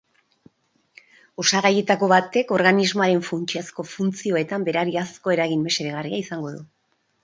Osagaietako batek organismoaren funtsezko funtzioetan berariazko eragin mesedegarria izango du.